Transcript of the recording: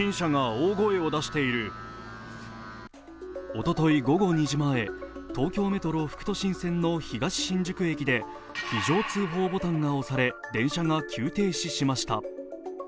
おととい午後２時前、東京メトロ・副都心線の東新宿駅で非常通報ボタンが押され電車が急停止しました。